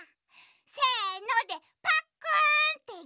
せので「パックン！」っていってね。